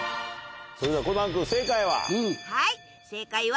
それではコナン君正解は？